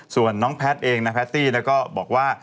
ส่วนน้องแพทย์เองนะแพตตี้ก็บอกว่า